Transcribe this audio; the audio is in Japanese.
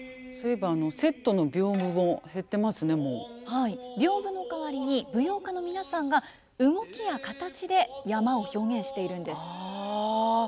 はい屏風の代わりに舞踊家の皆さんが動きや形で山を表現しているんです。